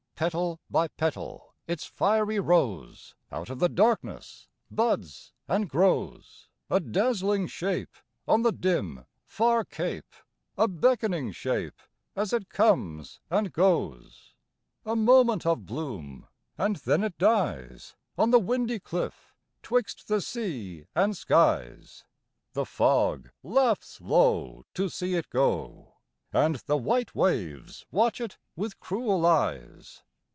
Petal by petal its fiery rose Out of the darkness buds and grows; A dazzling shape on the dim, far cape, A beckoning shape as it comes and goes. A moment of bloom, and then it dies On the windy cliff 'twixt the sea and skies. The fog laughs low to see it go, And the white waves watch it with cruel eyes.